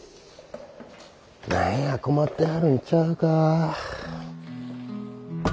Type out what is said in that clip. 何や困ってはるんちゃうか？